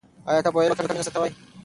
آیا ته پوهېږې چې د وطن مینه څه ته وايي؟